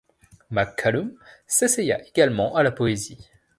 Mc Callum s'essaya également à la poésie.